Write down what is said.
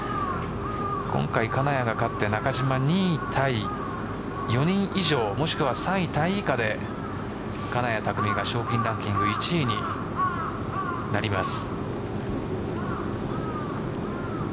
今回、金谷が勝って中島２位タイ４人以上もしくは３位タイ以下で金谷拓実が賞金ランキング１位になります。